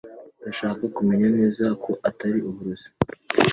Ndashaka kumenya neza ko atari uburozi